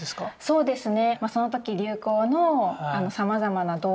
そうですね。